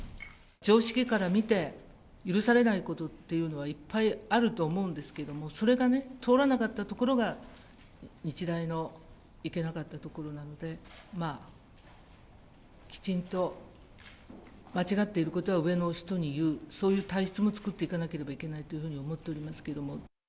常識から見て、許されないことっていうのはいっぱいあると思うんですけれども、それがね、通らなかったところが、日大のいけなかったところなので、きちんと、間違ってることは上の人に言う、そういう体質も作っていかなければいけないというふうに思っておりますけれども。